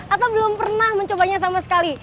atau belum pernah mencobanya sama sekali